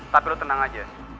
tapi lo tenang aja